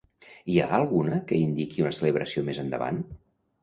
Hi ha alguna que indiqui una celebració més endavant?